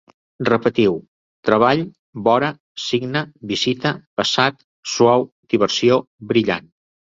Repetiu: treball, vora, signe, visita, passat, suau, diversió, brillant